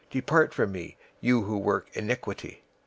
Depart from me, you who work iniquity.'